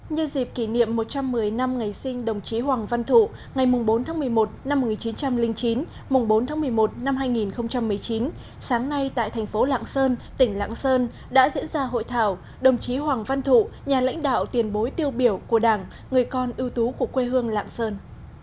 nhân dịp kỷ niệm một trăm một mươi năm ngày sinh đồng chí hoàng văn thụ ngày bốn tháng một mươi một năm một nghìn chín trăm linh chín bốn tháng một mươi một năm hai nghìn một mươi chín sáng nay tại thành phố lạng sơn tỉnh lạng sơn đã diễn ra hội thảo đồng chí hoàng văn thụ nhà lãnh đạo tiền bối tiêu biểu của đảng người con ưu tú của quê hương lạng sơn